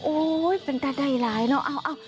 โอ้ยเป็นแต่ได้หลายเนอะ